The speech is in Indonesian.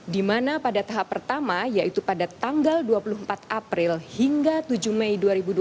di mana pada tahap pertama yaitu pada tanggal dua puluh empat april hingga tujuh mei dua ribu dua puluh